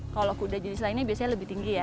kalau kuda jenis lainnya biasanya lebih tinggi ya